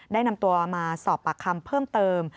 ได้นำตัวมาสอบปากคำเพิ่มเติม